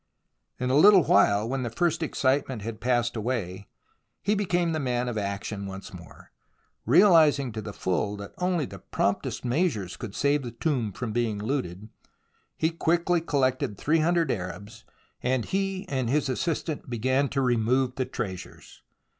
In a little while, when the first excitement had passed away, he became the man of action once more. Realizing to the full that only the promptest measures could save the tomb from being looted, he quickly collected three hundred Arabs, and he and his assistant began to remove the treasures.